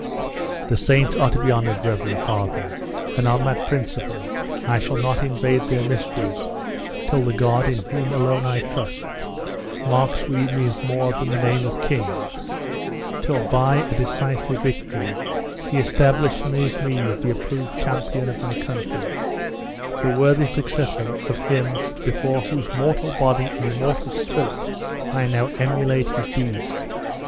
"The saints are to be honored, reverend father, and on that principle I shall not invade their mysteries till the God in whom alone I trust, marks me with more than the name of king; till, by a decisive victory, he establishes me the approved champion of my country the worthy successor of him before whose mortal body and immortal spirit I now emulate his deeds.